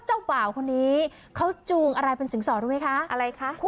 ใช่หวายแพงมาก